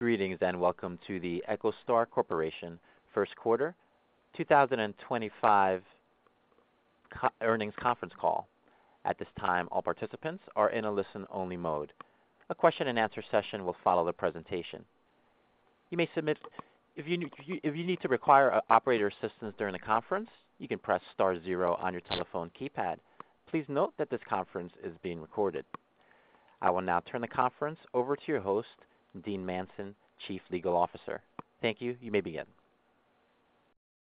Greetings and welcome to the EchoStar Corporation First Quarter 2025 Earnings Conference Call. At this time, all participants are in a listen-only mode. A question-and-answer session will follow the presentation. If you need to require operator assistance during the conference, you can press star zero on your telephone keypad. Please note that this conference is being recorded. I will now turn the conference over to your host, Dean Manson, Chief Legal Officer. Thank you. You may begin.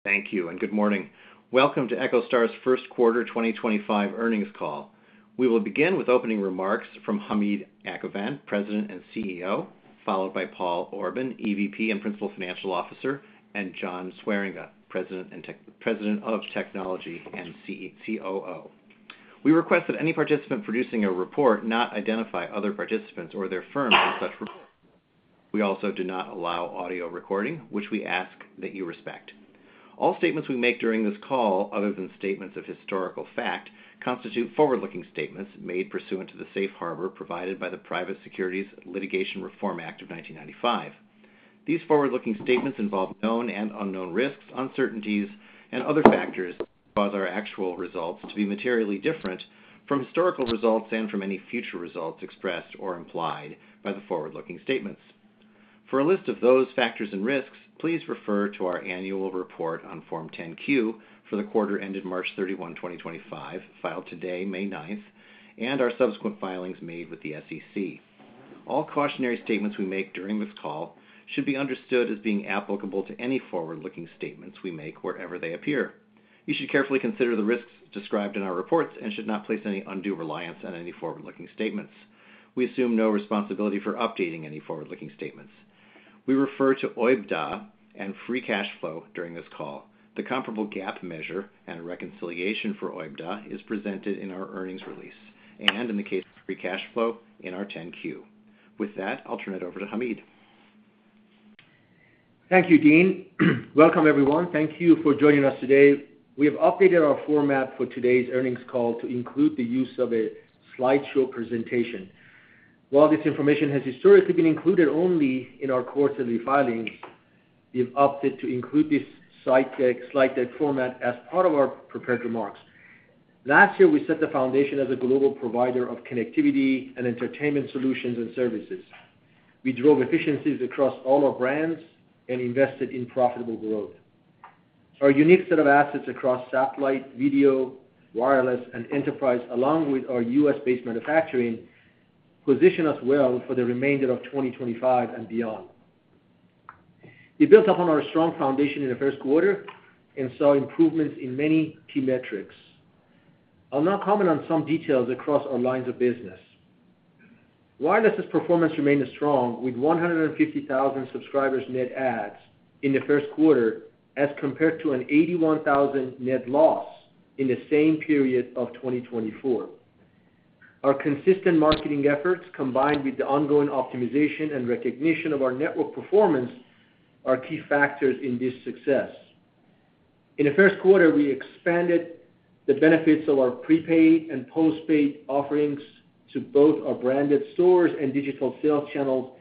Thank you and good morning. Welcome to EchoStar's First Quarter 2025 Earnings Call. We will begin with opening remarks from Hamid Akhavan, President and CEO, followed by Paul Orban, EVP and Principal Financial Officer, and John Swieringa, President of Technology and COO. We request that any participant producing a report not identify other participants or their firm in such reports. We also do not allow audio recording, which we ask that you respect. All statements we make during this call, other than statements of historical fact, constitute forward-looking statements made pursuant to the safe harbor provided by the Private Securities Litigation Reform Act of 1995. These forward-looking statements involve known and unknown risks, uncertainties, and other factors that cause our actual results to be materially different from historical results and from any future results expressed or implied by the forward-looking statements. For a list of those factors and risks, please refer to our annual report on Form 10-Q for the quarter ended March 31, 2025, filed today, May 9th, and our subsequent filings made with the SEC. All cautionary statements we make during this call should be understood as being applicable to any forward-looking statements we make wherever they appear. You should carefully consider the risks described in our reports and should not place any undue reliance on any forward-looking statements. We assume no responsibility for updating any forward-looking statements. We refer to OIBDA and free cash flow during this call. The comparable GAAP measure and reconciliation for OIBDA is presented in our earnings release and in the case of free cash flow in our 10-Q. With that, I'll turn it over to Hamid. Thank you, Dean. Welcome, everyone. Thank you for joining us today. We have updated our format for today's earnings call to include the use of a slideshow presentation. While this information has historically been included only in our quarterly filings, we've opted to include this slide deck format as part of our prepared remarks. Last year, we set the foundation as a global provider of connectivity and entertainment solutions and services. We drove efficiencies across all our brands and invested in profitable growth. Our unique set of assets across satellite, video, wireless, and enterprise, along with our U.S.-based manufacturing, position us well for the remainder of 2025 and beyond. We built upon our strong foundation in the first quarter and saw improvements in many key metrics. I'll now comment on some details across our lines of business. Wireless's performance remained strong with 150,000 subscriber net adds in the first quarter as compared to an 81,000 net loss in the same period of 2024. Our consistent marketing efforts, combined with the ongoing optimization and recognition of our network performance, are key factors in this success. In the first quarter, we expanded the benefits of our prepaid and postpaid offerings to both our branded stores and digital sales channels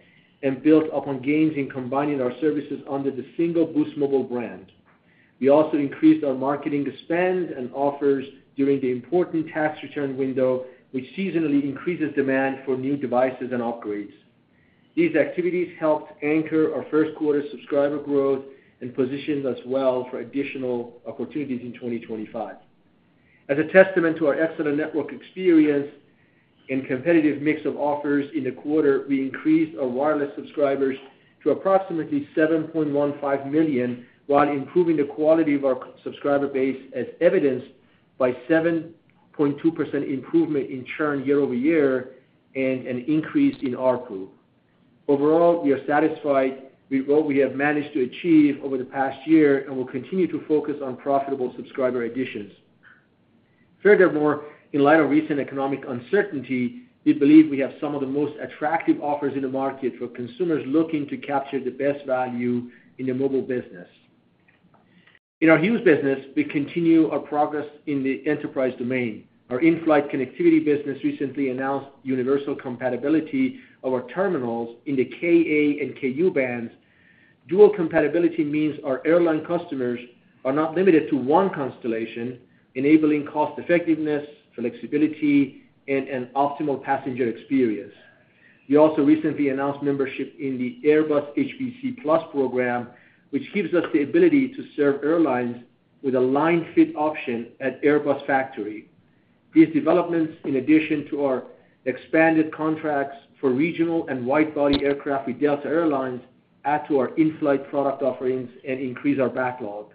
and built upon gains in combining our services under the single Boost Mobile brand. We also increased our marketing expense and offers during the important tax return window, which seasonally increases demand for new devices and upgrades. These activities helped anchor our first quarter subscriber growth and positioned us well for additional opportunities in 2025. As a testament to our excellent network experience and competitive mix of offers in the quarter, we increased our wireless subscribers to approximately 7.15 million while improving the quality of our subscriber base as evidenced by a 7.2% improvement in churn year-over-year and an increase in RPU. Overall, we are satisfied with what we have managed to achieve over the past year and will continue to focus on profitable subscriber additions. Furthermore, in light of recent economic uncertainty, we believe we have some of the most attractive offers in the market for consumers looking to capture the best value in the mobile business. In our Hughes business, we continue our progress in the enterprise domain. Our in-flight connectivity business recently announced universal compatibility of our terminals in the KA and KU bands. Dual compatibility means our airline customers are not limited to one constellation, enabling cost-effectiveness, flexibility, and an optimal passenger experience. We also recently announced membership in the Airbus HBCplus program, which gives us the ability to serve airlines with a line fit option at Airbus Factory. These developments, in addition to our expanded contracts for regional and wide-body aircraft with Delta Airlines, add to our in-flight product offerings and increase our backlog.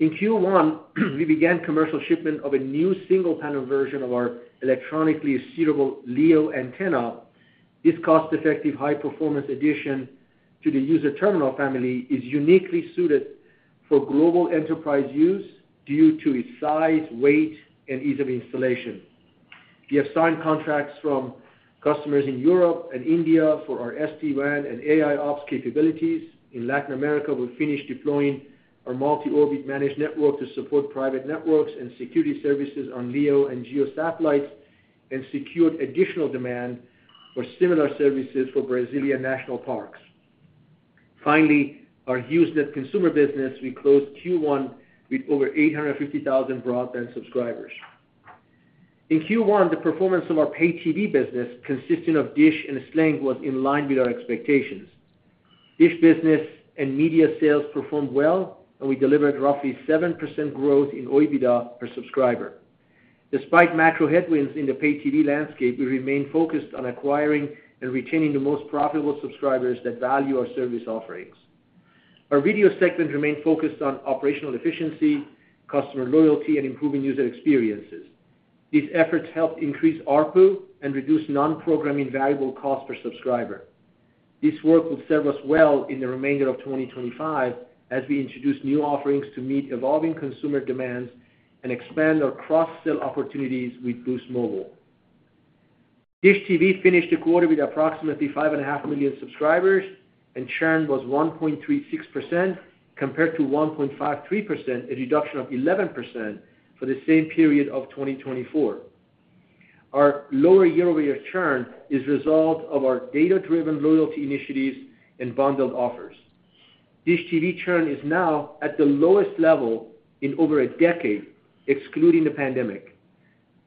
In Q1, we began commercial shipment of a new single-panel version of our electronically steerable Leo antenna. This cost-effective high-performance addition to the user terminal family is uniquely suited for global enterprise use due to its size, weight, and ease of installation. We have signed contracts from customers in Europe and India for our SD-WAN and AI ops capabilities. In Latin America, we've finished deploying our multi-orbit managed network to support private networks and security services on LEO and GEO satellites and secured additional demand for similar services for Brazilian national parks. Finally, our Hughes net consumer business, we closed Q1 with over 850,000 broadband subscribers. In Q1, the performance of our pay TV business, consisting of DISH and Sling, was in line with our expectations. DISH business and media sales performed well, and we delivered roughly 7% growth in OIBDA per subscriber. Despite macro headwinds in the pay TV landscape, we remained focused on acquiring and retaining the most profitable subscribers that value our service offerings. Our video segment remained focused on operational efficiency, customer loyalty, and improving user experiences. These efforts helped increase RPU and reduce non-programming variable cost per subscriber. This work will serve us well in the remainder of 2025 as we introduce new offerings to meet evolving consumer demands and expand our cross-sale opportunities with Boost Mobile. DISH TV finished the quarter with approximately 5.5 million subscribers, and churn was 1.36% compared to 1.53%, a reduction of 11% for the same period of 2024. Our lower year-over-year churn is a result of our data-driven loyalty initiatives and bundled offers. DISH TV churn is now at the lowest level in over a decade, excluding the pandemic.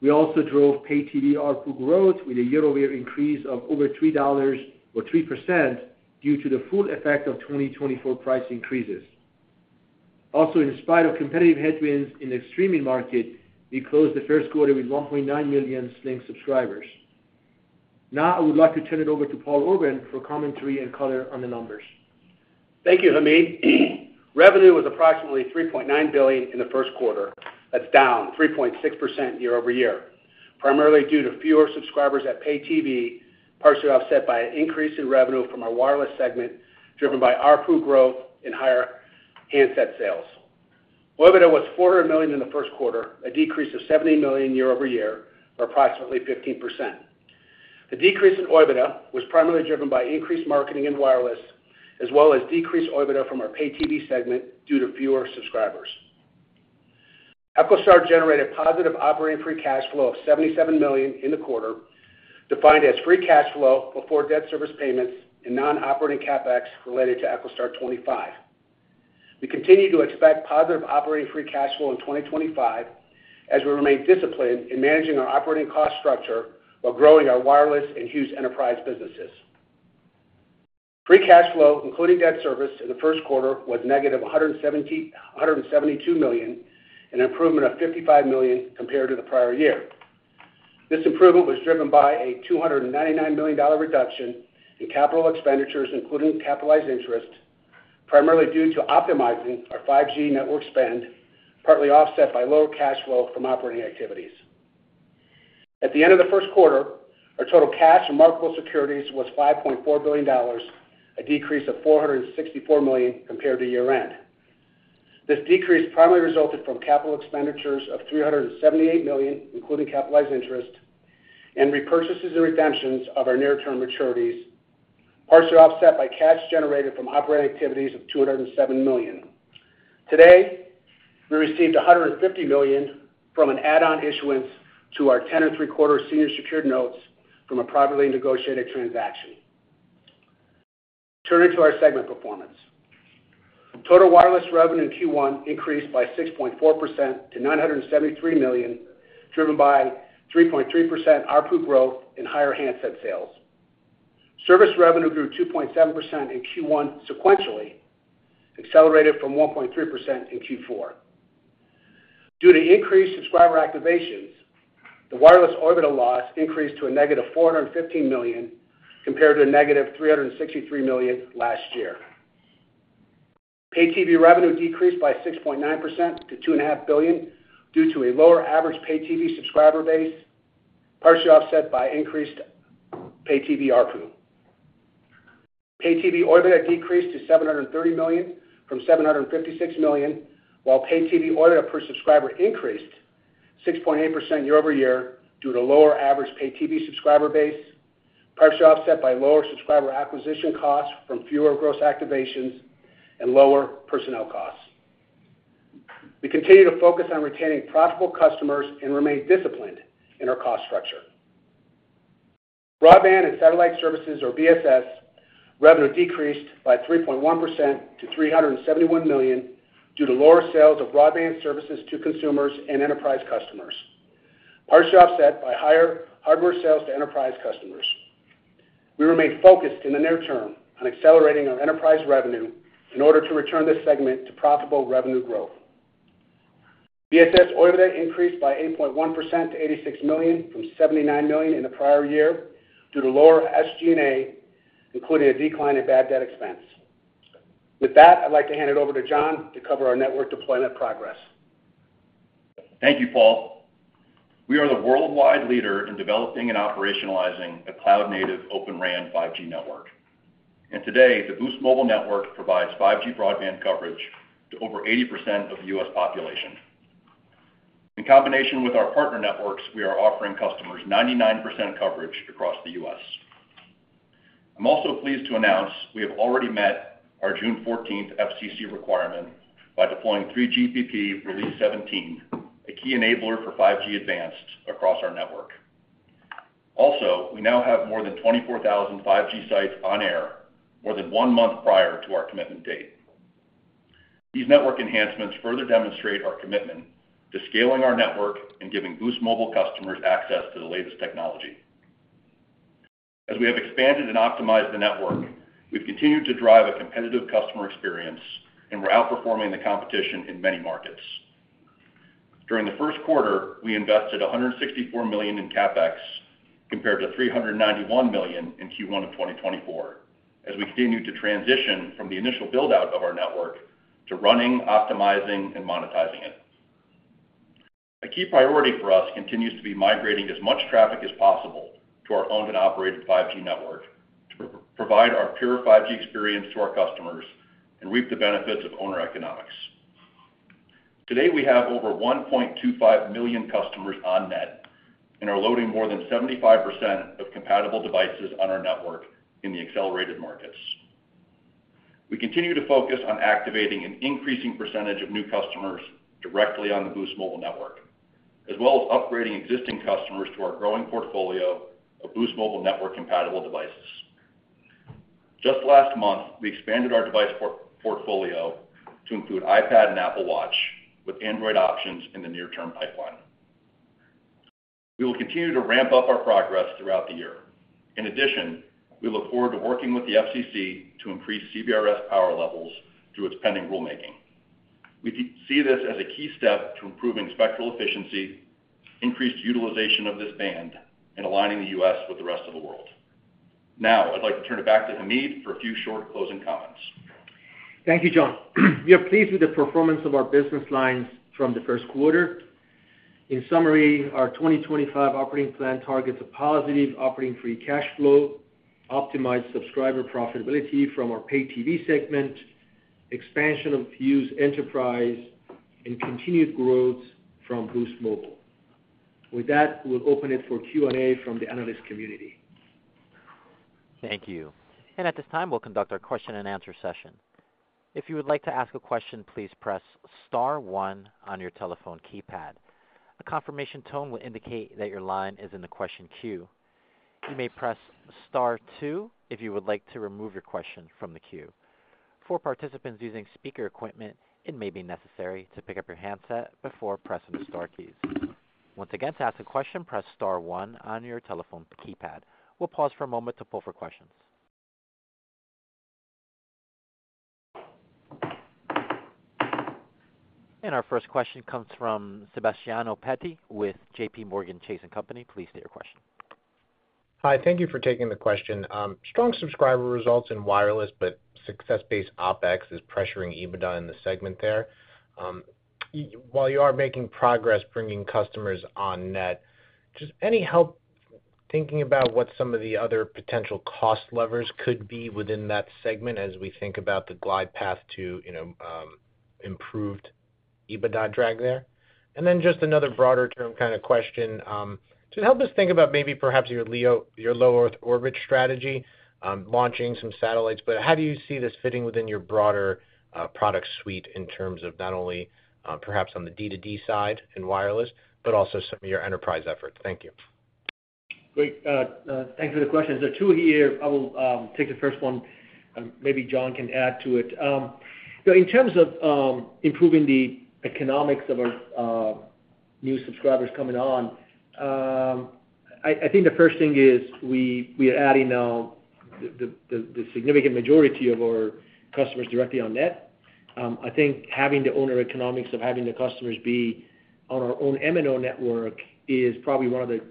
We also drove pay TV RPU growth with a year-over-year increase of over $3 or 3% due to the full effect of 2024 price increases. Also, in spite of competitive headwinds in the streaming market, we closed the first quarter with 1.9 million Sling TV subscribers. Now, I would like to turn it over to Paul Orban for commentary and color on the numbers. Thank you, Hamid. Revenue was approximately $3.9 billion in the first quarter. That's down 3.6% year-over-year, primarily due to fewer subscribers at pay TV, partially offset by an increase in revenue from our wireless segment driven by RPU growth and higher handset sales. OIBDA was $400 million in the first quarter, a decrease of $70 million year-over-year, or approximately 15%. The decrease in OIBDA was primarily driven by increased marketing in wireless, as well as decreased OIBDA from our pay TV segment due to fewer subscribers. EchoStar generated positive operating free cash flow of $77 million in the quarter, defined as free cash flow before debt service payments and non-operating CapEx related to EchoStar 25. We continue to expect positive operating free cash flow in 2025 as we remain disciplined in managing our operating cost structure while growing our wireless and Hughes enterprise businesses. Free cash flow, including debt service in the first quarter, was negative $172 million, an improvement of $55 million compared to the prior year. This improvement was driven by a $299 million reduction in capital expenditures, including capitalized interest, primarily due to optimizing our 5G network spend, partly offset by lower cash flow from operating activities. At the end of the first quarter, our total cash and marketable securities was $5.4 billion, a decrease of $464 million compared to year-end. This decrease primarily resulted from capital expenditures of $378 million, including capitalized interest, and repurchases and redemptions of our near-term maturities, partially offset by cash generated from operating activities of $207 million. Today, we received $150 million from an add-on issuance to our tenor three-quarter senior secured notes from a privately negotiated transaction. Turning to our segment performance, total wireless revenue in Q1 increased by 6.4% to $973 million, driven by 3.3% RPU growth and higher handset sales. Service revenue grew 2.7% in Q1 sequentially, accelerated from 1.3% in Q4. Due to increased subscriber activations, the wireless OIBDA loss increased to a negative $415 million compared to a negative $363 million last year. Pay TV revenue decreased by 6.9% to $2.5 billion due to a lower average pay TV subscriber base, partially offset by increased pay TV RPU. Pay TV OIBDA decreased to $730 million from $756 million, while pay TV OIBDA per subscriber increased 6.8% year-over-year due to lower average pay TV subscriber base, partially offset by lower subscriber acquisition costs from fewer gross activations and lower personnel costs. We continue to focus on retaining profitable customers and remain disciplined in our cost structure. Broadband and satellite services, or BSS, revenue decreased by 3.1% to $371 million due to lower sales of broadband services to consumers and enterprise customers, partially offset by higher hardware sales to enterprise customers. We remain focused in the near term on accelerating our enterprise revenue in order to return this segment to profitable revenue growth. BSS OIBDA increased by 8.1% to $86 million from $79 million in the prior year due to lower SG&A, including a decline in bad debt expense. With that, I'd like to hand it over to John to cover our network deployment progress. Thank you, Paul. We are the worldwide leader in developing and operationalizing a cloud-native open RAN 5G network. Today, the Boost Mobile network provides 5G broadband coverage to over 80% of the U.S. population. In combination with our partner networks, we are offering customers 99% coverage across the U.S.. I'm also pleased to announce we have already met our June 14th FCC requirement by deploying 3GPP Release 17, a key enabler for 5G Advanced across our network. Also, we now have more than 24,000 5G sites on air more than one month prior to our commitment date. These network enhancements further demonstrate our commitment to scaling our network and giving Boost Mobile customers access to the latest technology. As we have expanded and optimized the network, we've continued to drive a competitive customer experience, and we're outperforming the competition in many markets. During the first quarter, we invested $164 million in CapEx compared to $391 million in Q1 of 2024, as we continue to transition from the initial build-out of our network to running, optimizing, and monetizing it. A key priority for us continues to be migrating as much traffic as possible to our owned and operated 5G network to provide our pure 5G experience to our customers and reap the benefits of owner economics. Today, we have over 1.25 million customers on net and are loading more than 75% of compatible devices on our network in the accelerated markets. We continue to focus on activating an increasing percentage of new customers directly on the Boost Mobile network, as well as upgrading existing customers to our growing portfolio of Boost Mobile network compatible devices. Just last month, we expanded our device portfolio to include iPad and Apple Watch with Android options in the near-term pipeline. We will continue to ramp up our progress throughout the year. In addition, we look forward to working with the FCC to increase CBRS power levels through its pending rulemaking. We see this as a key step to improving spectral efficiency, increased utilization of this band, and aligning the U.S. with the rest of the world. Now, I'd like to turn it back to Hamid for a few short closing comments. Thank you, John. We are pleased with the performance of our business lines from the first quarter. In summary, our 2025 operating plan targets a positive operating free cash flow, optimized subscriber profitability from our pay TV segment, expansion of Hughes enterprise, and continued growth from Boost Mobile. With that, we'll open it for Q&A from the analyst community. Thank you. At this time, we'll conduct our question and answer session. If you would like to ask a question, please press star one on your telephone keypad. A confirmation tone will indicate that your line is in the question queue. You may press star two if you would like to remove your question from the queue. For participants using speaker equipment, it may be necessary to pick up your handset before pressing the Sstartar keys. Once again, to ask a question, press star one on your telephone keypad. We'll pause for a moment to poll for questions. Our first question comes from Sebastiano Petti with JPMorgan Chase & Company. Please state your question. Hi. Thank you for taking the question. Strong subscriber results in wireless, but success-based OpEx is pressuring EBITDA in the segment there. While you are making progress bringing customers on net, just any help thinking about what some of the other potential cost levers could be within that segment as we think about the glide path to improved EBITDA drag there? Just another broader-term kind of question. Just help us think about maybe perhaps your low-earth orbit strategy, launching some satellites. How do you see this fitting within your broader product suite in terms of not only perhaps on the D2D side in wireless, but also some of your enterprise efforts? Thank you. Great. Thanks for the question. There are two here. I will take the first one. Maybe John can add to it. In terms of improving the economics of our new subscribers coming on, I think the first thing is we are adding the significant majority of our customers directly on net. I think having the owner economics of having the customers be on our own MNO network is probably one of the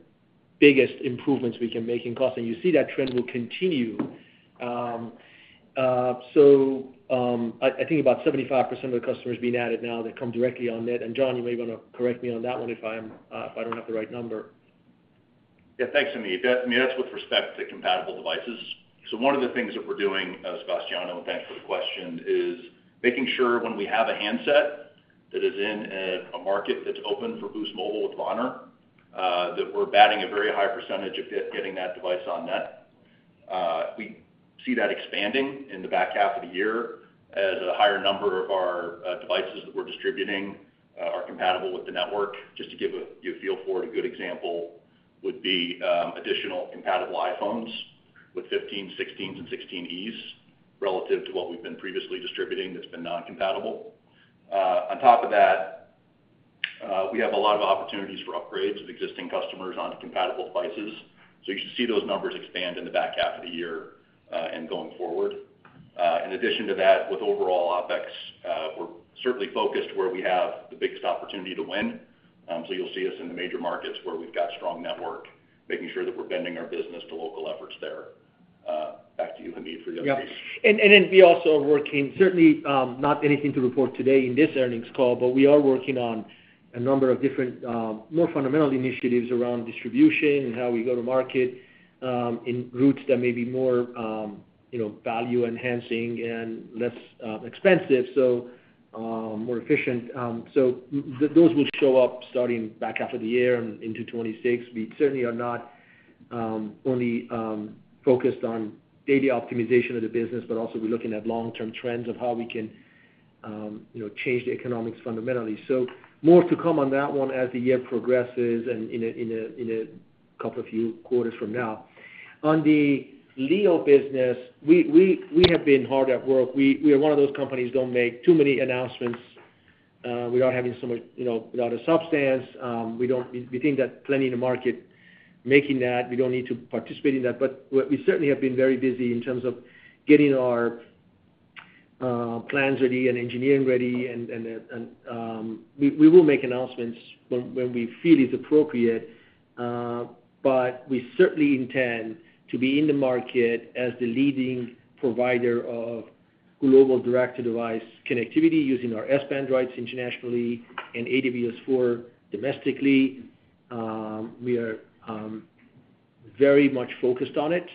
biggest improvements we can make in cost. You see that trend will continue. I think about 75% of the customers being added now come directly on net. John, you may want to correct me on that one if I do not have the right number. Yeah. Thanks, Hamid. That is with respect to compatible devices. One of the things that we are doing, Sebastiano, and thanks for the question, is making sure when we have a handset that is in a market that is open for Boost Mobile with Bonner, that we are batting a very high percentage of getting that device on net. We see that expanding in the back half of the year as a higher number of our devices that we are distributing are compatible with the network. Just to give you a feel for it, a good example would be additional compatible iPhones with 15s, 16s, and 16es relative to what we have been previously distributing that has been non-compatible. On top of that, we have a lot of opportunities for upgrades of existing customers onto compatible devices. You should see those numbers expand in the back half of the year and going forward. In addition to that, with overall OpEx, we're certainly focused where we have the biggest opportunity to win. You'll see us in the major markets where we've got strong network, making sure that we're bending our business to local efforts there. Back to you, Hamid, for the other piece. Yes. We also are working, certainly not anything to report today in this earnings call, but we are working on a number of different more fundamental initiatives around distribution and how we go to market in routes that may be more value-enhancing and less expensive, more efficient. Those will show up starting back half of the year and into 2026. We certainly are not only focused on daily optimization of the business, but also we're looking at long-term trends of how we can change the economics fundamentally. More to come on that one as the year progresses and in a couple of few quarters from now. On the LEO business, we have been hard at work. We are one of those companies that do not make too many announcements without having so much without substance. We think that plenty in the market are making that. We do not need to participate in that. We certainly have been very busy in terms of getting our plans ready and engineering ready. We will make announcements when we feel it is appropriate. We certainly intend to be in the market as the leading provider of global direct-to-device connectivity using our SBAN rights internationally and AWS4 domestically. We are very much focused on it.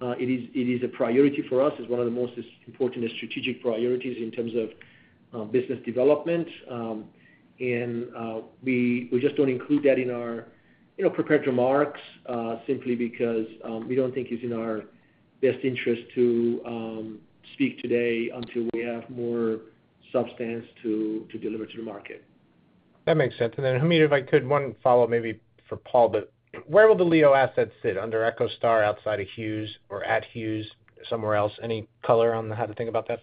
It is a priority for us. It is one of the most important strategic priorities in terms of business development. We just do not include that in our prepared remarks simply because we do not think it is in our best interest to speak today until we have more substance to deliver to the market. That makes sense. If I could, Hamid, one follow-up maybe for Paul, but where will the LEO assets sit under EchoStar, outside of Hughes or at Hughes, somewhere else? Any color on how to think about that?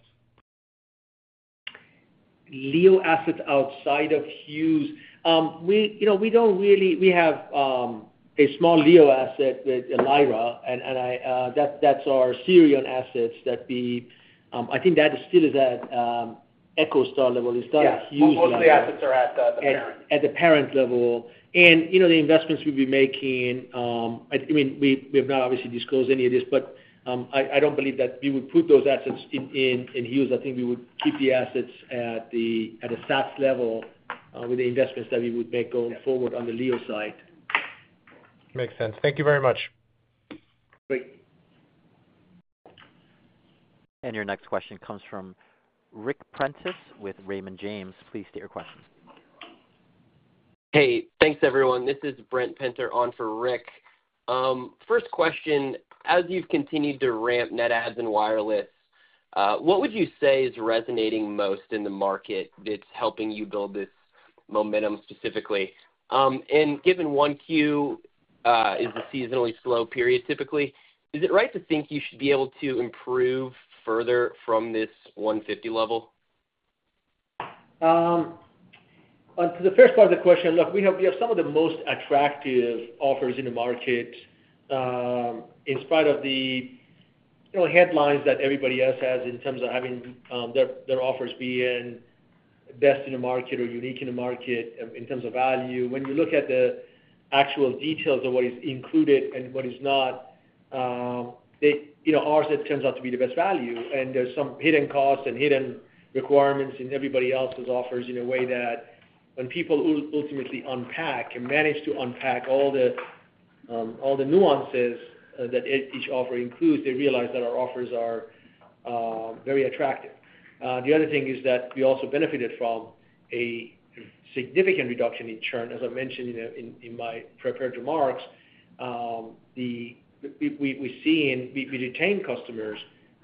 Leo assets outside of Hughes. We don't really, we have a small Leo asset with Lyra. And that's our Sirion assets that we, I think that still is at EchoStar level. It's not Hughes. At the parent level. The investments we'll be making, I mean, we have not obviously disclosed any of this, but I do not believe that we would put those assets in Hughes. I think we would keep the assets at a SaaS level with the investments that we would make going forward on the LEO side. Makes sense. Thank you very much. Great. Your next question comes from Rick Prentice with Raymond James. Please state your question. Hey. Thanks, everyone. This is Brent Penter on for Rick. First question, as you've continued to ramp net adds in wireless, what would you say is resonating most in the market that's helping you build this momentum specifically? Given Q1 is a seasonally slow period typically, is it right to think you should be able to improve further from this 150 level? To the first part of the question, look, we have some of the most attractive offers in the market in spite of the headlines that everybody else has in terms of having their offers being best in the market or unique in the market in terms of value. When you look at the actual details of what is included and what is not, ours turns out to be the best value. There are some hidden costs and hidden requirements in everybody else's offers in a way that when people ultimately unpack and manage to unpack all the nuances that each offer includes, they realize that our offers are very attractive. The other thing is that we also benefited from a significant reduction in churn. As I mentioned in my prepared remarks, we retain customers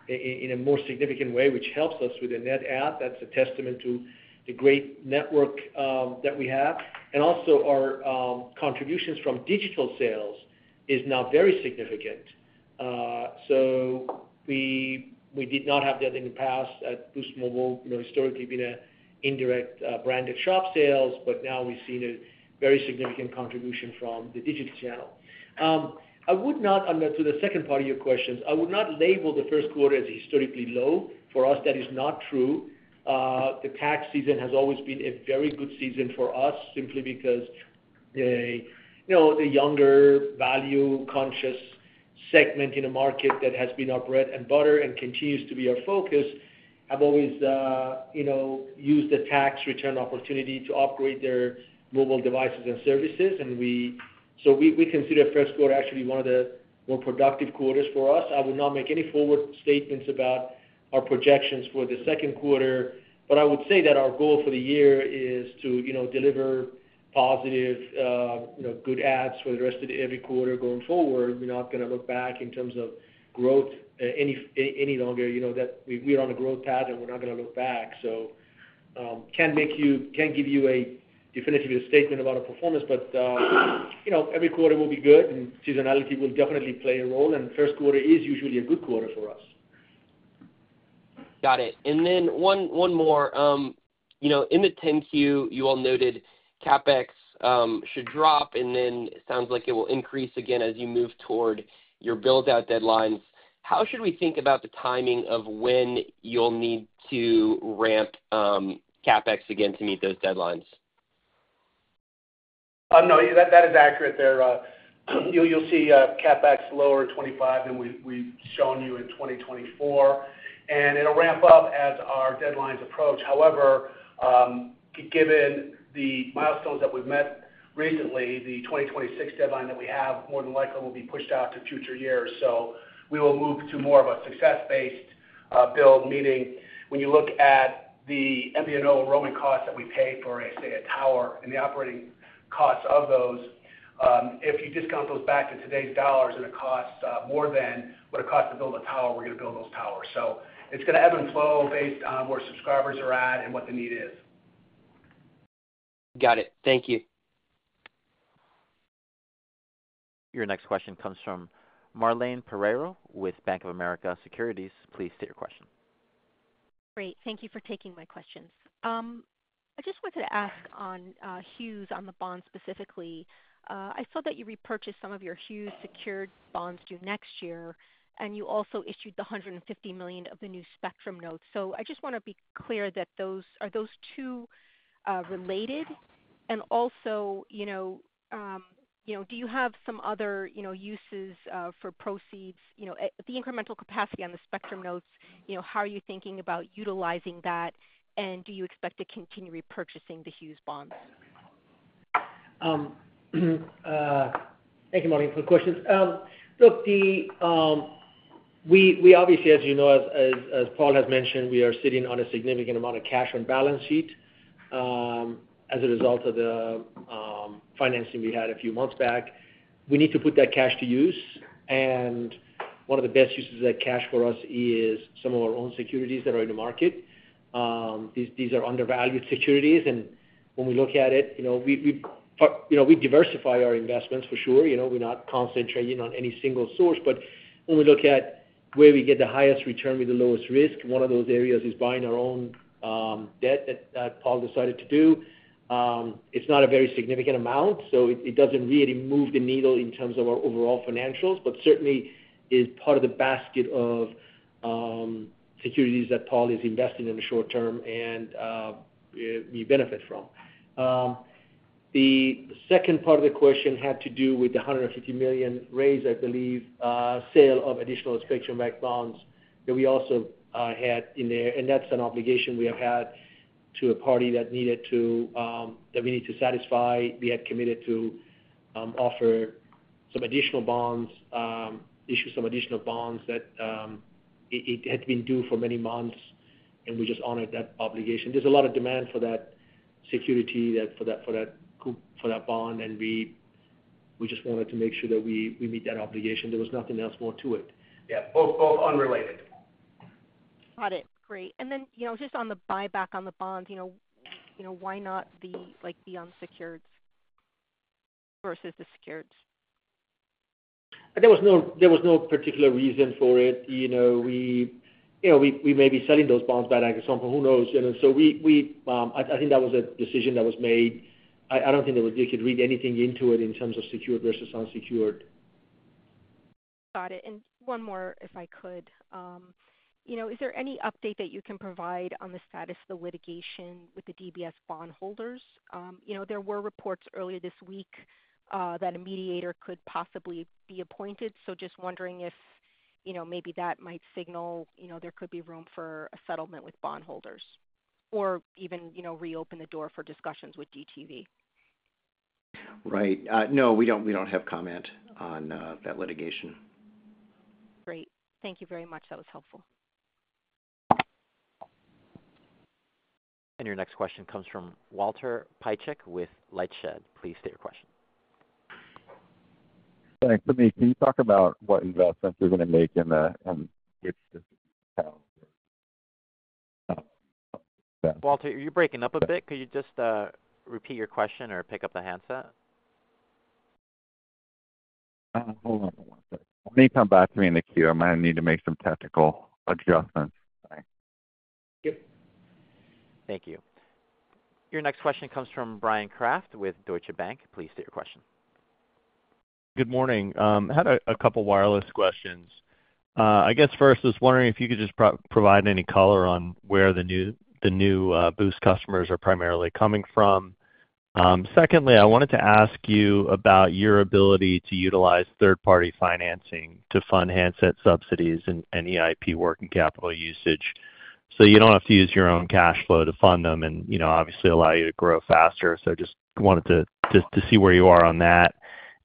in a more significant way, which helps us with the net add. That's a testament to the great network that we have. Also, our contributions from digital sales is now very significant. We did not have that in the past at Boost Mobile. Historically, it's been an indirect branded shop sales, but now we've seen a very significant contribution from the digital channel. To the second part of your questions, I would not label the first quarter as historically low. For us, that is not true. The tax season has always been a very good season for us simply because the younger, value-conscious segment in the market that has been our bread and butter and continues to be our focus have always used the tax return opportunity to upgrade their mobile devices and services. We consider the first quarter actually one of the more productive quarters for us. I will not make any forward statements about our projections for the second quarter, but I would say that our goal for the year is to deliver positive, good ads for the rest of every quarter going forward. We're not going to look back in terms of growth any longer. We're on a growth path, and we're not going to look back. I can't give you a definitive statement about our performance, but every quarter will be good, and seasonality will definitely play a role. The first quarter is usually a good quarter for us. Got it. And then one more. In the 10Q, you all noted CapEx should drop, and then it sounds like it will increase again as you move toward your build-out deadlines. How should we think about the timing of when you'll need to ramp CapEx again to meet those deadlines? No, that is accurate there. You'll see CapEx lower in 2025 than we've shown you in 2024. It will ramp up as our deadlines approach. However, given the milestones that we've met recently, the 2026 deadline that we have more than likely will be pushed out to future years. We will move to more of a success-based build. Meaning, when you look at the MVNO enrollment costs that we pay for, say, a tower and the operating costs of those, if you discount those back to today's dollars and it costs more than what it costs to build a tower, we're going to build those towers. It is going to ebb and flow based on where subscribers are at and what the need is. Got it. Thank you. Your next question comes from Marlane Pereiro with Bank of America Securities. Please state your question. Great. Thank you for taking my questions. I just wanted to ask on Hughes on the bond specifically. I saw that you repurchased some of your Hughes secured bonds due next year, and you also issued the $150 million of the new spectrum notes. I just want to be clear that are those two related? Also, do you have some other uses for proceeds? The incremental capacity on the spectrum notes, how are you thinking about utilizing that? Do you expect to continue repurchasing the Hughes bonds? Thank you, Marlene, for the questions. Look, we obviously, as you know, as Paul has mentioned, we are sitting on a significant amount of cash on balance sheet as a result of the financing we had a few months back. We need to put that cash to use. One of the best uses of that cash for us is some of our own securities that are in the market. These are undervalued securities. When we look at it, we diversify our investments, for sure. We're not concentrating on any single source. When we look at where we get the highest return with the lowest risk, one of those areas is buying our own debt that Paul decided to do. It's not a very significant amount, so it doesn't really move the needle in terms of our overall financials, but certainly is part of the basket of securities that Paul is investing in the short term and we benefit from. The second part of the question had to do with the $150 million raise, I believe, sale of additional inspection-backed bonds that we also had in there. That's an obligation we have had to a party that we need to satisfy. We had committed to offer some additional bonds, issue some additional bonds that had been due for many months, and we just honored that obligation. There's a lot of demand for that security, for that bond, and we just wanted to make sure that we meet that obligation. There was nothing else more to it. Yeah. Both unrelated. Got it. Great. And then just on the buyback on the bonds, why not the unsecured versus the secured? There was no particular reason for it. We may be selling those bonds back at some point. Who knows? I think that was a decision that was made. I do not think you could read anything into it in terms of secured versus unsecured. Got it. One more, if I could. Is there any update that you can provide on the status of the litigation with the DBS bondholders? There were reports earlier this week that a mediator could possibly be appointed. Just wondering if maybe that might signal there could be room for a settlement with bondholders or even reopen the door for discussions with DTV. Right. No, we don't have comment on that litigation. Great. Thank you very much. That was helpful. Your next question comes from Walter Piecyk with LightShed. Please state your question. Thanks. Hamid, can you talk about what investments you're going to make in the. Walter, are you breaking up a bit? Could you just repeat your question or pick up the handset? Hold on one second. Let me come back to me in the queue. I might need to make some technical adjustments. Yep. Thank you. Your next question comes from Brian Kraft with Deutsche Bank. Please state your question. Good morning. I had a couple of wireless questions. I guess first, I was wondering if you could just provide any color on where the new Boost customers are primarily coming from. Secondly, I wanted to ask you about your ability to utilize third-party financing to fund handset subsidies and EIP working capital usage. You don't have to use your own cash flow to fund them and obviously allow you to grow faster. I just wanted to see where you are on that.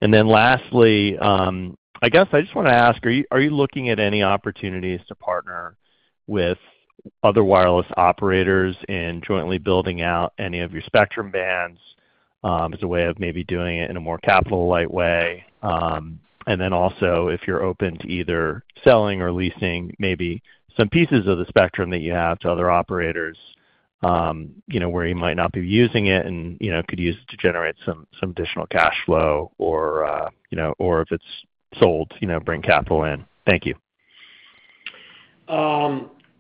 Lastly, I guess I just want to ask, are you looking at any opportunities to partner with other wireless operators and jointly building out any of your spectrum bands as a way of maybe doing it in a more capital-light way? If you're open to either selling or leasing maybe some pieces of the spectrum that you have to other operators where you might not be using it and could use it to generate some additional cash flow or, if it's sold, bring capital in. Thank you.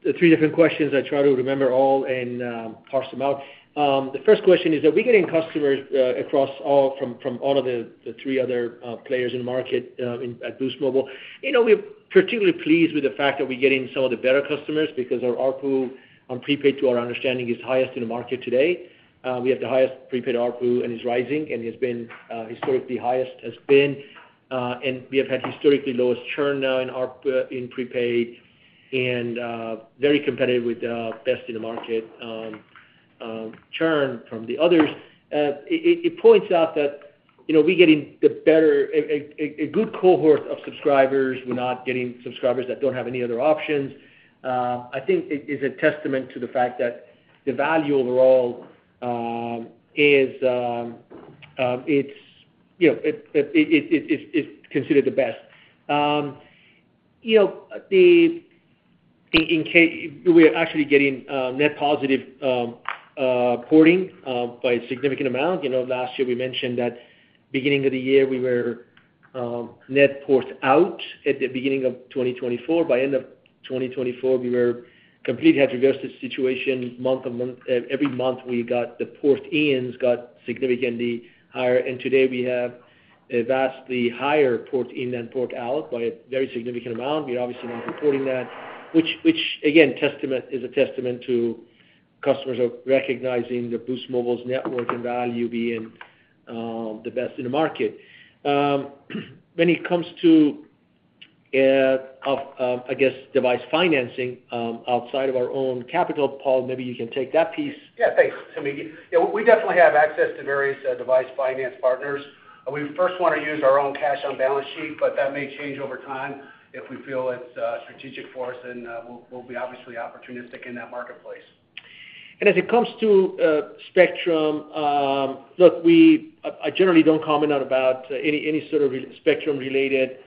The three different questions, I try to remember all and parse them out. The first question is that we're getting customers across all from all of the three other players in the market at Boost Mobile. We're particularly pleased with the fact that we're getting some of the better customers because our RPU on prepaid, to our understanding, is highest in the market today. We have the highest prepaid RPU, and it's rising and has been historically highest. We have had historically lowest churn now in prepaid and very competitive with the best in the market churn from the others. It points out that we're getting a good cohort of subscribers. We're not getting subscribers that don't have any other options. I think it is a testament to the fact that the value overall is considered the best. We're actually getting net positive porting by a significant amount. Last year, we mentioned that beginning of the year, we were net port out at the beginning of 2024. By the end of 2024, we completely had reversed the situation. Every month, we got the port-ins got significantly higher. Today, we have a vastly higher port-in than port-out by a very significant amount. We're obviously not reporting that, which, again, is a testament to customers recognizing the Boost Mobile's network and value being the best in the market. When it comes to, I guess, device financing outside of our own capital, Paul, maybe you can take that piece. Yeah. Thanks, Hamid. We definitely have access to various device finance partners. We first want to use our own cash on balance sheet, but that may change over time. If we feel it's strategic for us, then we'll be obviously opportunistic in that marketplace. As it comes to spectrum, look, I generally don't comment on any sort of spectrum-related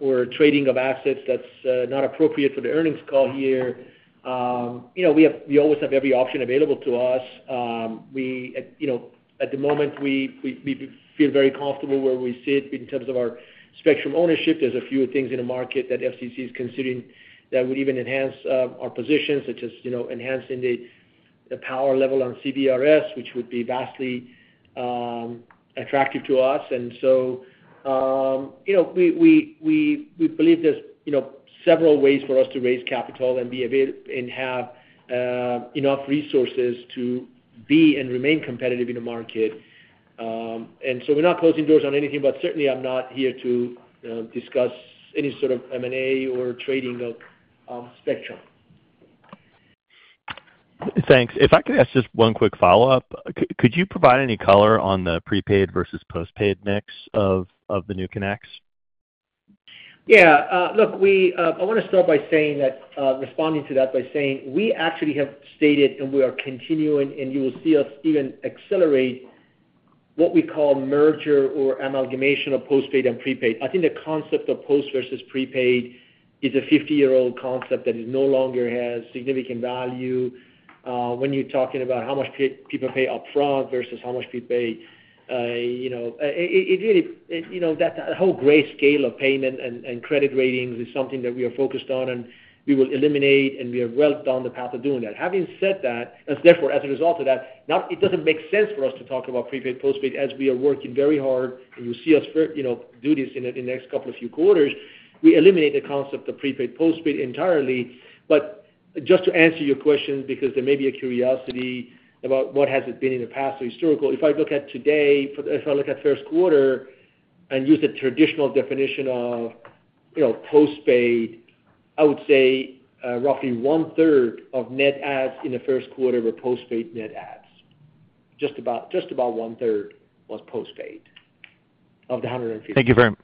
or trading of assets that's not appropriate for the earnings call here. We always have every option available to us. At the moment, we feel very comfortable where we sit in terms of our spectrum ownership. There are a few things in the market that FCC is considering that would even enhance our position, such as enhancing the power level on CBRS, which would be vastly attractive to us. We believe there are several ways for us to raise capital and have enough resources to be and remain competitive in the market. We're not closing doors on anything, but certainly, I'm not here to discuss any sort of M&A or trading of spectrum. Thanks. If I could ask just one quick follow-up, could you provide any color on the prepaid versus postpaid mix of the new connects? Yeah. Look, I want to start by responding to that by saying we actually have stated, and we are continuing, and you will see us even accelerate what we call merger or amalgamation of postpaid and prepaid. I think the concept of post versus prepaid is a 50-year-old concept that no longer has significant value when you're talking about how much people pay upfront versus how much people pay. It really, that whole gray scale of payment and credit ratings is something that we are focused on, and we will eliminate, and we have well done the path of doing that. Having said that, therefore, as a result of that, it doesn't make sense for us to talk about prepaid postpaid as we are working very hard, and you'll see us do this in the next couple of few quarters. We eliminate the concept of prepaid postpaid entirely. Just to answer your question, because there may be a curiosity about what has it been in the past or historical, if I look at today, if I look at first quarter and use the traditional definition of postpaid, I would say roughly one-third of net adds in the first quarter were postpaid net adds. Just about one-third was postpaid of the 150. Thank you very much.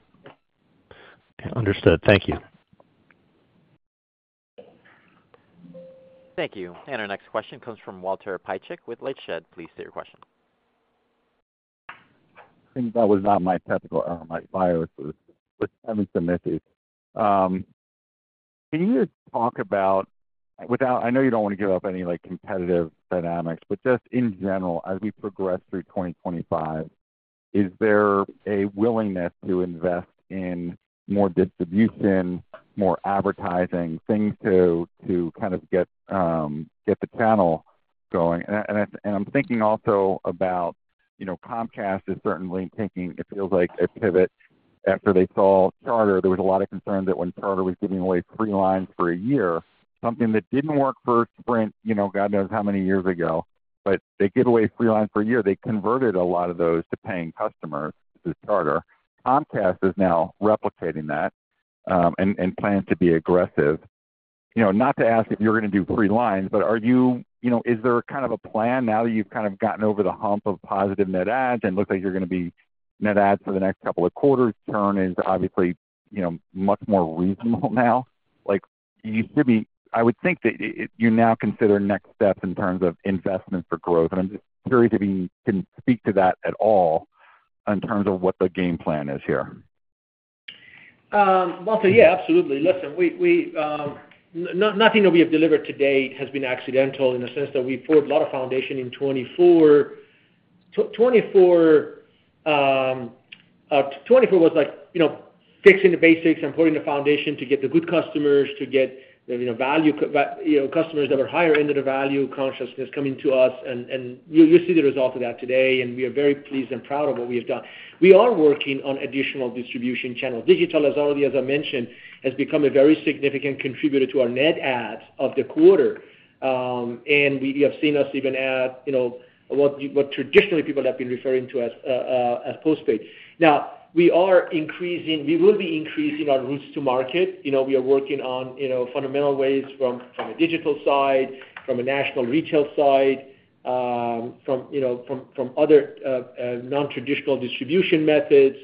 Understood. Thank you. Thank you. Our next question comes from Walter Piecyk with LightShed. Please state your question. I think that was not my technical error. My bias was having some issues. Can you talk about—I know you do not want to give up any competitive dynamics, but just in general, as we progress through 2025, is there a willingness to invest in more distribution, more advertising, things to kind of get the channel going? I am thinking also about Comcast is certainly taking—it feels like a pivot after they sold Charter. There was a lot of concern that when Charter was giving away free lines for a year, something that did not work for Sprint, God knows how many years ago, but they give away free lines for a year. They converted a lot of those to paying customers through Charter. Comcast is now replicating that and plans to be aggressive. Not to ask if you're going to do free lines, but is there kind of a plan now that you've kind of gotten over the hump of positive net adds and look like you're going to be net adds for the next couple of quarters? Churn is obviously much more reasonable now. I would think that you now consider next steps in terms of investment for growth. I'm just curious if you can speak to that at all in terms of what the game plan is here. Walter, yeah, absolutely. Listen, nothing that we have delivered to date has been accidental in the sense that we poured a lot of foundation in 2024. 2024 was like fixing the basics and pouring the foundation to get the good customers, to get value customers that were higher end of the value consciousness coming to us. You see the result of that today, and we are very pleased and proud of what we have done. We are working on additional distribution channels. Digital, as I mentioned, has become a very significant contributor to our net adds of the quarter. You have seen us even add what traditionally people have been referring to as postpaid. We will be increasing our routes to market. We are working on fundamental ways from a digital side, from a national retail side, from other non-traditional distribution methods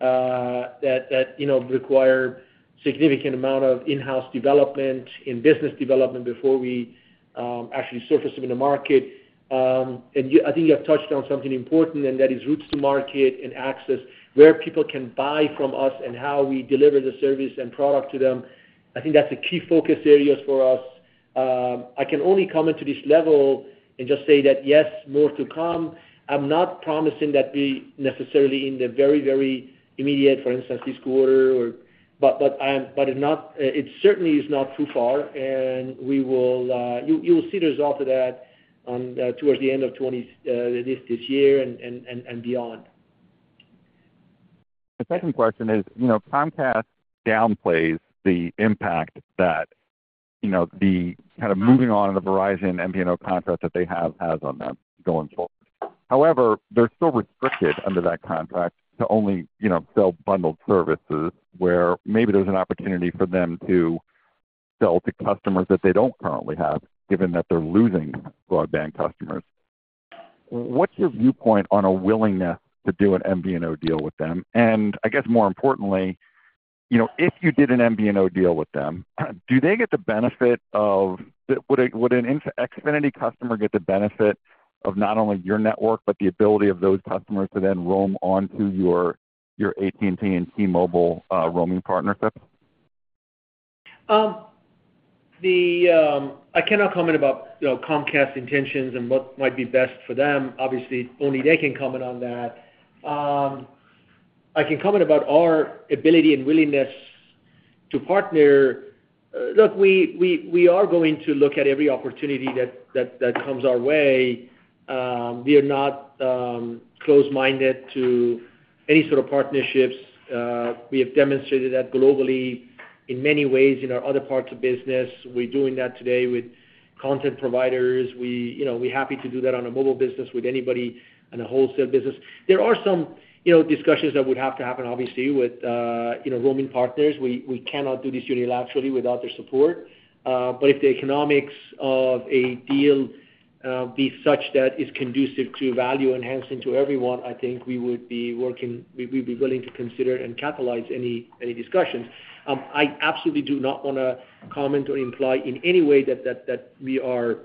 that require a significant amount of in-house development and business development before we actually surface them in the market. I think you have touched on something important, and that is routes to market and access, where people can buy from us and how we deliver the service and product to them. I think that's a key focus area for us. I can only comment to this level and just say that, yes, more to come. I'm not promising that be necessarily in the very, very immediate, for instance, this quarter, but it certainly is not too far. You will see the result of that towards the end of this year and beyond. The second question is, Comcast downplays the impact that the kind of moving on the Verizon MVNO contract that they have has on them going forward. However, they're still restricted under that contract to only sell bundled services, where maybe there's an opportunity for them to sell to customers that they don't currently have, given that they're losing broadband customers. What's your viewpoint on a willingness to do an MVNO deal with them? I guess, more importantly, if you did an MVNO deal with them, do they get the benefit of—would an Xfinity customer get the benefit of not only your network, but the ability of those customers to then roam onto your AT&T and T-Mobile roaming partnership? I cannot comment about Comcast's intentions and what might be best for them. Obviously, only they can comment on that. I can comment about our ability and willingness to partner. Look, we are going to look at every opportunity that comes our way. We are not close-minded to any sort of partnerships. We have demonstrated that globally in many ways in our other parts of business. We're doing that today with content providers. We're happy to do that on a mobile business with anybody in the wholesale business. There are some discussions that would have to happen, obviously, with roaming partners. We cannot do this unilaterally without their support. If the economics of a deal be such that it's conducive to value enhancing to everyone, I think we would be willing to consider and catalyze any discussions. I absolutely do not want to comment or imply in any way that we are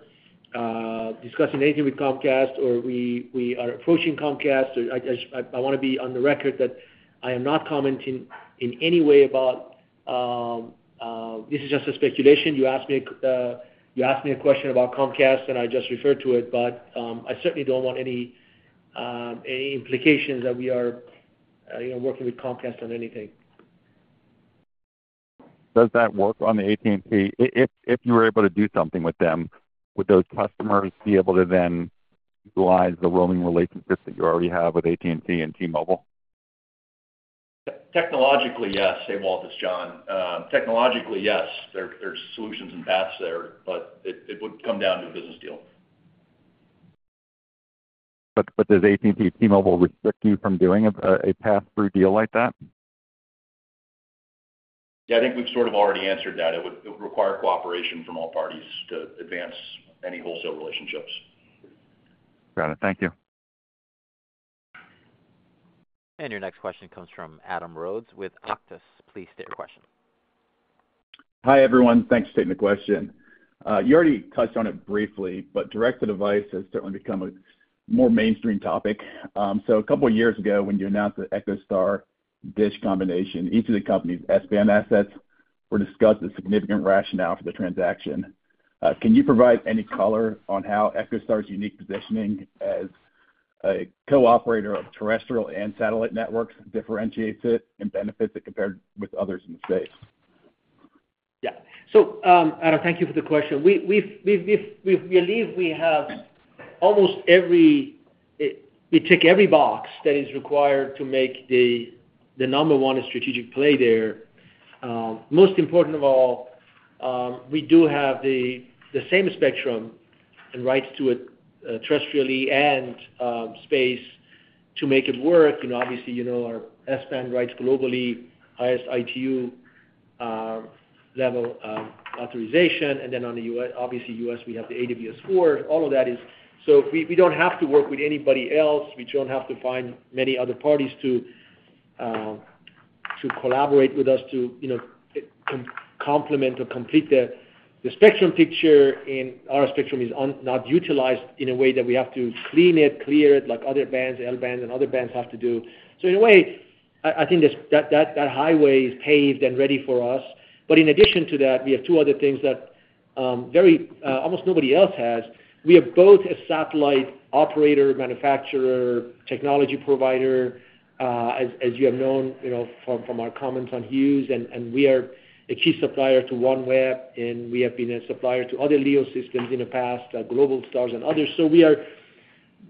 discussing anything with Comcast or we are approaching Comcast. I want to be on the record that I am not commenting in any way about this is just a speculation. You asked me a question about Comcast, and I just referred to it, but I certainly do not want any implications that we are working with Comcast on anything. Does that work on the AT&T? If you were able to do something with them, would those customers be able to then utilize the roaming relationships that you already have with AT&T and T-Mobile? Technologically, yes. Same old as John. Technologically, yes. There are solutions and paths there, but it would come down to a business deal. Does AT&T and T-Mobile restrict you from doing a pass-through deal like that? Yeah. I think we've sort of already answered that. It would require cooperation from all parties to advance any wholesale relationships. Got it. Thank you. Your next question comes from Adam Rhodes with Octus. Please state your question. Hi everyone. Thanks for taking the question. You already touched on it briefly, but direct-to-device has certainly become a more mainstream topic. A couple of years ago, when you announced the EchoStar DISH combination, each of the company's SBAN assets were discussed as significant rationale for the transaction. Can you provide any color on how EchoStar's unique positioning as a cooperator of terrestrial and satellite networks differentiates it and benefits it compared with others in the space? Yeah. Adam, thank you for the question. We believe we have almost every—we tick every box that is required to make the number one strategic play there. Most important of all, we do have the same spectrum and rights to it terrestrially and space to make it work. Obviously, you know our SBAN rights globally, highest ITU level authorization. On the US, obviously, we have the AWS forward. All of that is—so we do not have to work with anybody else. We do not have to find many other parties to collaborate with us to complement or complete the spectrum picture. Our spectrum is not utilized in a way that we have to clean it, clear it, like other bands, L-bands, and other bands have to do. In a way, I think that highway is paved and ready for us. In addition to that, we have two other things that almost nobody else has. We are both a satellite operator, manufacturer, technology provider, as you have known from our comments on Hughes. We are a key supplier to OneWeb, and we have been a supplier to other LEO systems in the past, Globalstar and others. We are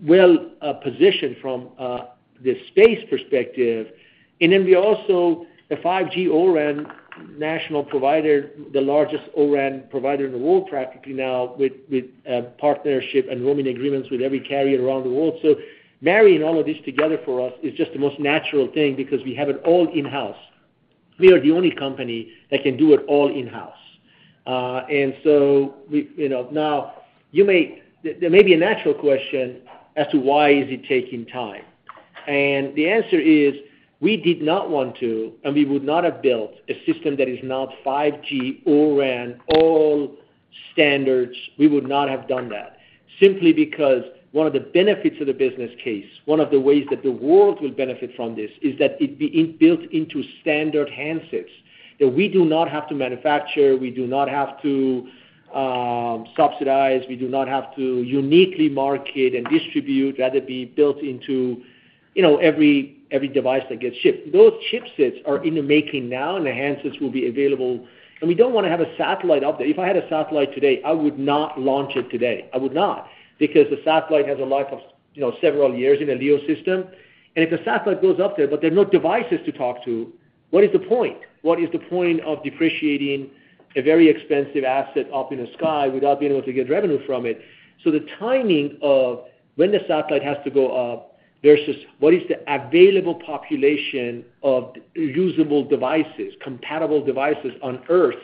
well positioned from the space perspective. We are also a 5G O-RAN national provider, the largest O-RAN provider in the world practically now, with partnership and roaming agreements with every carrier around the world. Marrying all of this together for us is just the most natural thing because we have it all in-house. We are the only company that can do it all in-house. There may be a natural question as to why is it taking time. The answer is, we did not want to, and we would not have built a system that is not 5G O-RAN, all standards. We would not have done that simply because one of the benefits of the business case, one of the ways that the world will benefit from this, is that it being built into standard handsets that we do not have to manufacture. We do not have to subsidize. We do not have to uniquely market and distribute. Rather, it would be built into every device that gets shipped. Those chipsets are in the making now, and the handsets will be available. We do not want to have a satellite up there. If I had a satellite today, I would not launch it today. I would not because a satellite has a life of several years in a LEO system. If the satellite goes up there, but there are no devices to talk to, what is the point? What is the point of depreciating a very expensive asset up in the sky without being able to get revenue from it? The timing of when the satellite has to go up versus what is the available population of usable devices, compatible devices on Earth,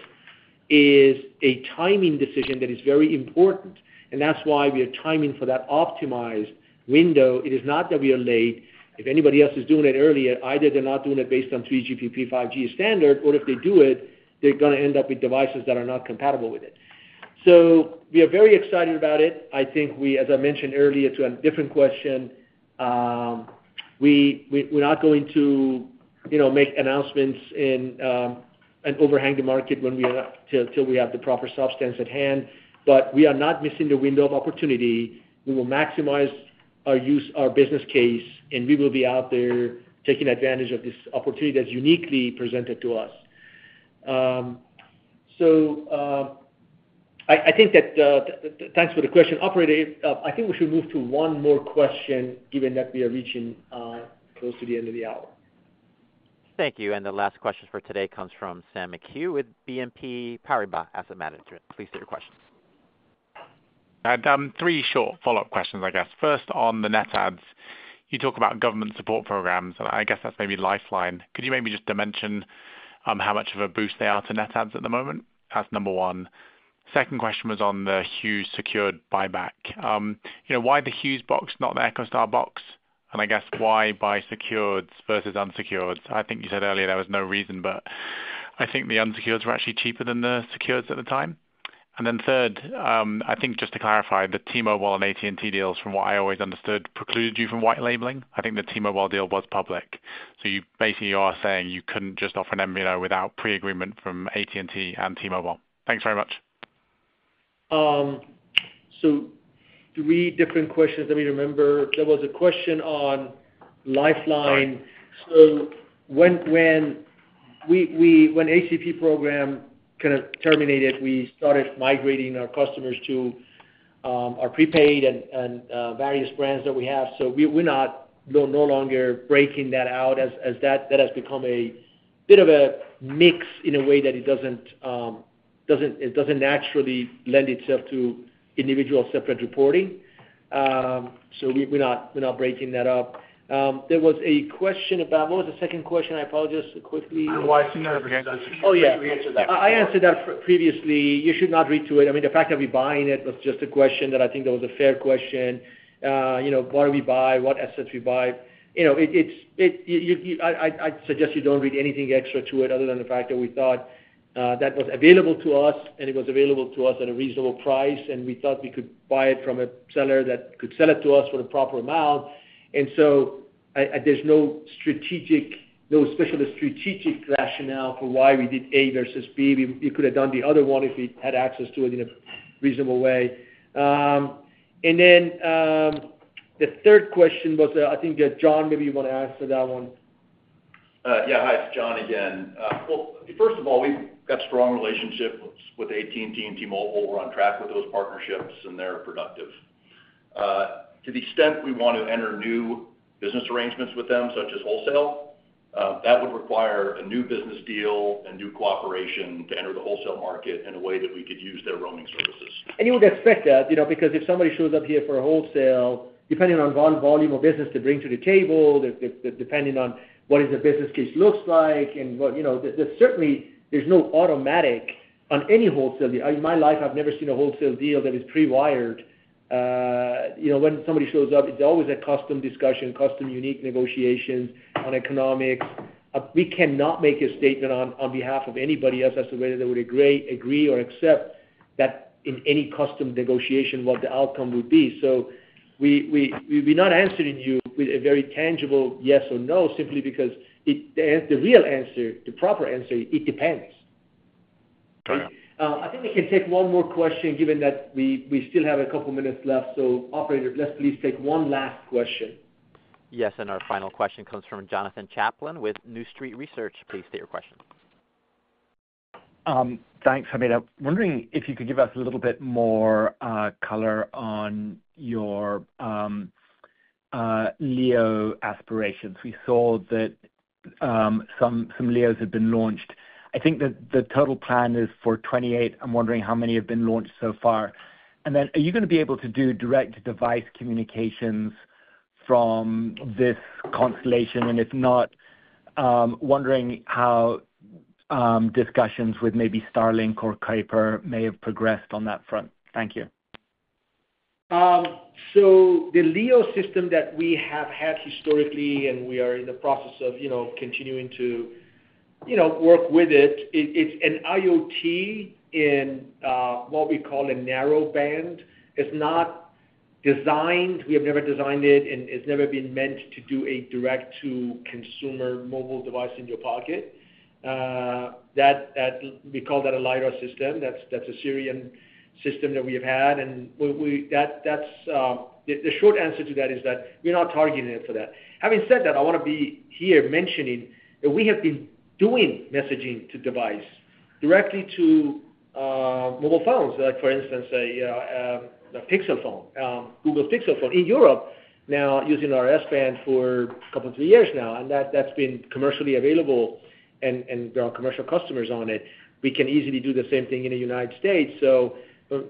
is a timing decision that is very important. That is why we are timing for that optimized window. It is not that we are late. If anybody else is doing it earlier, either they are not doing it based on 3GPP 5G standard, or if they do it, they are going to end up with devices that are not compatible with it. We are very excited about it. I think we, as I mentioned earlier, to a different question, we're not going to make announcements and overhang the market until we have the proper substance at hand. We are not missing the window of opportunity. We will maximize our business case, and we will be out there taking advantage of this opportunity that's uniquely presented to us. I think that thanks for the question, Operator. I think we should move to one more question given that we are reaching close to the end of the hour. Thank you. The last question for today comes from Sam McHugh with BNP Paribas Asset Management. Please state your question. Adam, three short follow-up questions, I guess. First, on the net adds, you talk about government support programs, and I guess that's maybe Lifeline. Could you maybe just dimension how much of a boost they are to net adds at the moment as number one? Second question was on the Hughes secured buyback. Why the Hughes box, not the EchoStar box? And I guess, why buy secureds versus unsecureds? I think you said earlier there was no reason, but I think the unsecureds were actually cheaper than the secureds at the time. Third, I think just to clarify, the T-Mobile and AT&T deals, from what I always understood, precluded you from white labeling. I think the T-Mobile deal was public. You basically are saying you couldn't just offer an MVNO without pre-agreement from AT&T and T-Mobile. Thanks very much. Three different questions. Let me remember. There was a question on Lifeline. When the ACP program kind of terminated, we started migrating our customers to our prepaid and various brands that we have. We are no longer breaking that out as that has become a bit of a mix in a way that it does not naturally lend itself to individual separate reporting. We are not breaking that up. There was a question about—what was the second question? I apologize. Quickly. Oh, yeah. I answered that previously. You should not read to it. I mean, the fact that we're buying it was just a question that I think that was a fair question. What do we buy? What assets do we buy? I suggest you don't read anything extra to it other than the fact that we thought that was available to us, and it was available to us at a reasonable price, and we thought we could buy it from a seller that could sell it to us for a proper amount. There is no specialist strategic rationale for why we did A versus B. We could have done the other one if we had access to it in a reasonable way. The third question was, I think John, maybe you want to answer that one. Yeah. Hi. It's John again. First of all, we've got a strong relationship with AT&T and T-Mobile. We're on track with those partnerships, and they're productive. To the extent we want to enter new business arrangements with them, such as wholesale, that would require a new business deal and new cooperation to enter the wholesale market in a way that we could use their roaming services. You would expect that because if somebody shows up here for a wholesale, depending on volume of business to bring to the table, depending on what the business case looks like, and certainly, there is no automatic on any wholesale deal. In my life, I have never seen a wholesale deal that is pre-wired. When somebody shows up, it is always a custom discussion, custom unique negotiations on economics. We cannot make a statement on behalf of anybody else as to whether they would agree or accept that in any custom negotiation, what the outcome would be. We are not answering you with a very tangible yes or no simply because the real answer, the proper answer, it depends. I think we can take one more question given that we still have a couple of minutes left. Operator, please take one last question. Yes. Our final question comes from Jonathan Chaplin with New Street Research. Please state your question. Thanks. I mean, I'm wondering if you could give us a little bit more color on your LEO aspirations. We saw that some LEOs had been launched. I think that the total plan is for 28. I'm wondering how many have been launched so far. Are you going to be able to do direct-to-device communications from this constellation? If not, wondering how discussions with maybe Starlink or Kuiper may have progressed on that front. Thank you. The Leo system that we have had historically, and we are in the process of continuing to work with it, it's an IoT in what we call a narrow band. It's not designed. We have never designed it, and it's never been meant to do a direct-to-consumer mobile device in your pocket. We call that a LiDAR system. That's a Sirian system that we have had. The short answer to that is that we're not targeting it for that. Having said that, I want to be here mentioning that we have been doing messaging to device directly to mobile phones. For instance, the Google Pixel Phone in Europe now using our S-Band for a couple of three years now. That's been commercially available, and there are commercial customers on it. We can easily do the same thing in the United States. Doing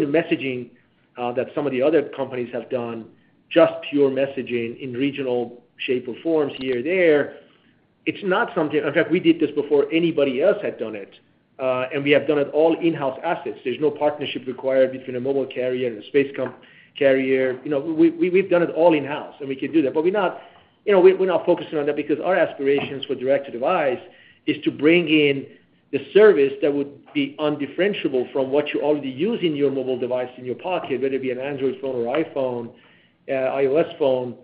the messaging that some of the other companies have done, just pure messaging in regional shape or forms here or there, it is not something—in fact, we did this before anybody else had done it. We have done it all in-house assets. There is no partnership required between a mobile carrier and a space carrier. We have done it all in-house, and we can do that. We are not focusing on that because our aspirations for direct-to-device is to bring in the service that would be undifferentiable from what you already use in your mobile device in your pocket, whether it be an Android phone or iPhone, iOS phone,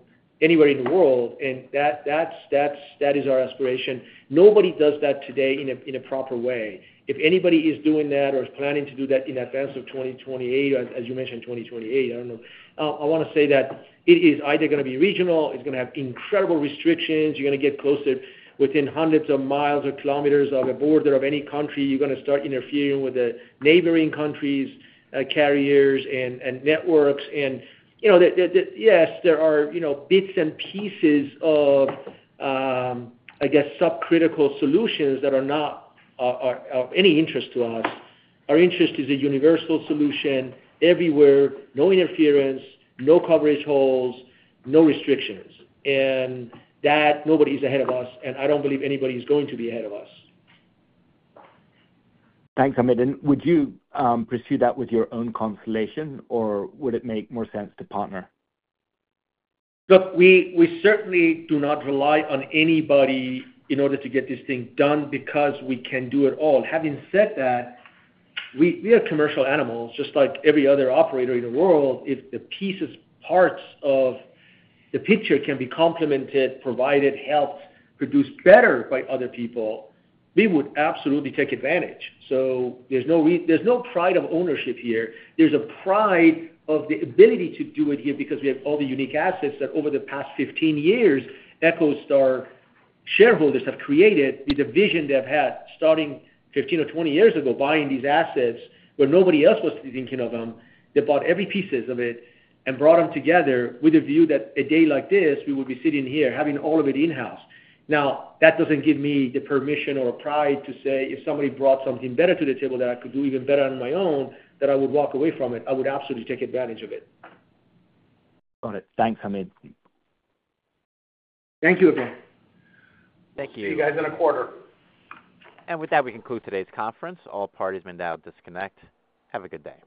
anywhere in the world. That is our aspiration. Nobody does that today in a proper way. If anybody is doing that or is planning to do that in advance of 2028, as you mentioned, 2028, I do not know, I want to say that it is either going to be regional. It is going to have incredible restrictions. You are going to get closer within hundreds of miles or kilometers of a border of any country. You are going to start interfering with the neighboring countries' carriers and networks. Yes, there are bits and pieces of, I guess, subcritical solutions that are not of any interest to us. Our interest is a universal solution everywhere, no interference, no coverage holes, no restrictions. Nobody is ahead of us, and I do not believe anybody is going to be ahead of us. Thanks, Hamid. Would you pursue that with your own constellation, or would it make more sense to partner? Look, we certainly do not rely on anybody in order to get this thing done because we can do it all. Having said that, we are commercial animals. Just like every other operator in the world, if the pieces, parts of the picture can be complemented, provided, helped, produced better by other people, we would absolutely take advantage. There is no pride of ownership here. There is a pride of the ability to do it here because we have all the unique assets that over the past 15 years, EchoStar shareholders have created, the vision they have had starting 15 or 20 years ago, buying these assets where nobody else was thinking of them. They bought every piece of it and brought them together with a view that a day like this, we would be sitting here having all of it in-house. Now, that doesn't give me the permission or pride to say if somebody brought something better to the table that I could do even better on my own, that I would walk away from it. I would absolutely take advantage of it. Got it. Thanks, Hamid. Thank you again. Thank you. See you guys in a quarter. With that, we conclude today's conference. All parties are now disconnected. Have a good day.